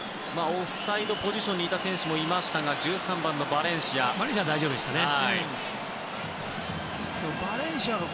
オフサイドポジションにいた選手もいましたが１３番のバレンシアは。